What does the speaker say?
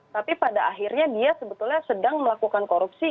tapi pada akhirnya dia sebetulnya sedang melakukan korupsi